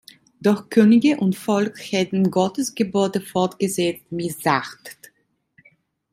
Doch Könige und Volk hätten Gottes Gebote fortgesetzt missachtet.